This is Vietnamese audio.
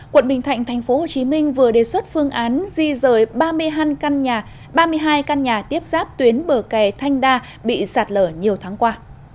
quận bình thạnh tp hcm vừa đề xuất phương án di rời ba mươi hai căn nhà tiếp sáp tuyến bờ kè thanh đa bị sạt lở nhiều tháng qua